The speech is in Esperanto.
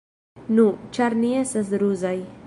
Nu, ĉar ni estas ruzaj.